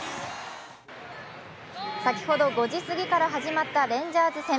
先ほど５時すぎから始まったレンジャーズ戦。